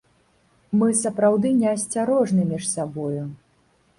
Мы сапраўды неасцярожны між сабою.